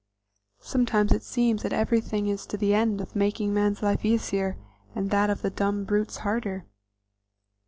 Sometimes it seems that everything is to the end of making man's life easier and that of the dumb brutes harder.